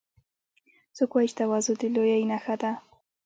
څوک وایي چې تواضع د لویۍ نښه ده